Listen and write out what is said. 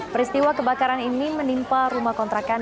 peristiwa kebakaran ini menimpa rumah kontrakan